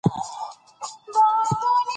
پښتو زموږ د ټولو شریکه ژبه ده.